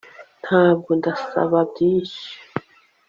Ntabwo ndasaba byinshi